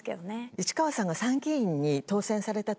市川さんが参議院に当選された時。